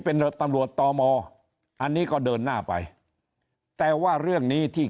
เป็นตำรวจต่อมออันนี้ก็เดินหน้าไปแต่ว่าเรื่องนี้ที่